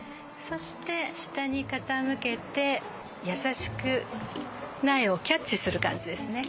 そして下に傾けて優しく苗をキャッチする感じですね。